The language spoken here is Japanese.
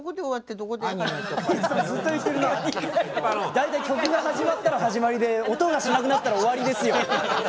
大体曲が始まったら始まりで音がしなくなったら終わりですよ。